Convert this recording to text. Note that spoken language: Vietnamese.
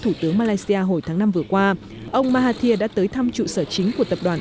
thủ tướng malaysia hồi tháng năm vừa qua ông mahathir đã tới thăm trụ sở chính của tập đoàn